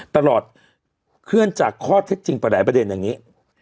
ตลอดเคลื่อนจากข้อเท็จจริงไปหลายประเด็นอย่างนี้